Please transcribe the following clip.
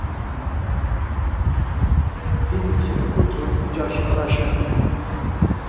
Ǩinçi eputxun ncaşi araşen.